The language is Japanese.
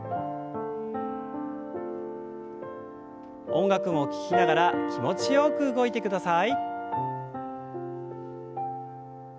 音楽を聞きながら気持ちよく動いてください。